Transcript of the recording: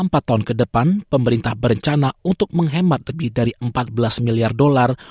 selama empat tahun ke depan pemerintah berencana untuk menghemat lebih dari empat belas miliar dolar